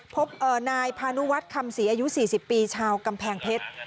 ครบเอ่อนายพาณุวัฒน์คำศรีอายุสี่สิบปีชาวกำแพงเพชร